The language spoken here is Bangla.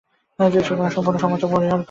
সুতরাং সম্পূর্ণ সমতা পরিহার করা বাঞ্ছনীয়।